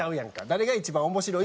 誰が一番面白いって。